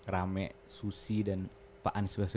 rame susi dan pak ans